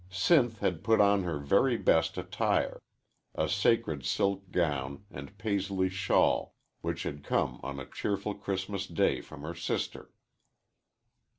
Sinth had put on her very best attire a sacred silk gown and Paisley shawl which had come on a cheerful Christmas Day from her sister.